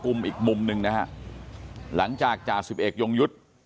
จับกุมอีกมุมหนึ่งนะฮะหลังจากจ่า๑๑ยงยุทธ์